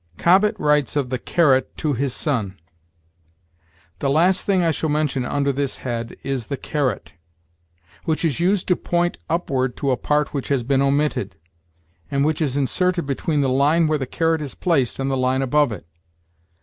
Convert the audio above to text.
Cobbett writes of the caret to his son: "The last thing I shall mention under this head is the caret [^], which is used to point upward to a part which has been omitted, and which is inserted between the line where the caret is placed and the line above it.